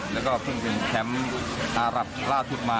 แล้วก็เพิ่งเป็นแชมป์อารับล่าสุดมา